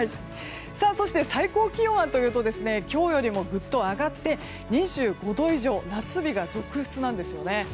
そして最高気温はというと今日よりもぐっと上がって２５度以上夏日が続出なんですよね。